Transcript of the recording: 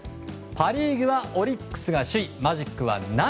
パ・リーグはオリックスが首位マジックは７。